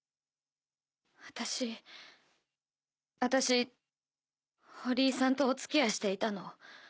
私私堀井さんとお付き合いしていたの。